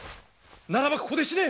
ならばここで死ね！